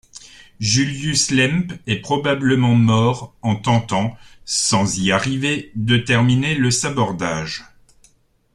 Julius Lemp est probablement mort en tentant, sans y-arriver de terminer le sabordage.